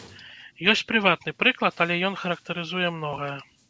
Ёсць прыватны прыклад, але ён характарызуе многае.